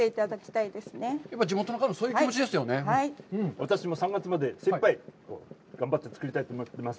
私も３月まで精いっぱい、頑張って作りたいと思ってます。